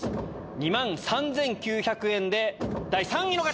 ２万３９００円で第３位の方！